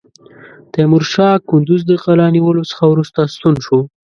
تیمورشاه کندوز د قلا نیولو څخه وروسته ستون شو.